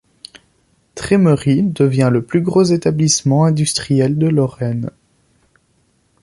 Trémery devient le plus gros établissement industriel de Lorraine.